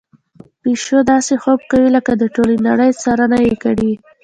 پيشو داسې خوب کوي لکه د ټولې کورنۍ څارنه يې کړې وي.